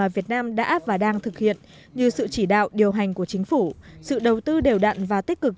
việt nam đã và đang thực hiện như sự chỉ đạo điều hành của chính phủ sự đầu tư đều đặn và tích cực